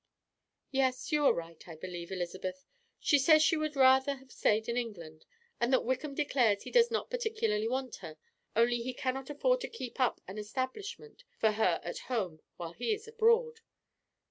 "Yes, you are right, I believe, Elizabeth; she says she would rather have stayed in England, and that Wickham declares he does not particularly want her, only he cannot afford to keep up an establishment for her at home while he is abroad."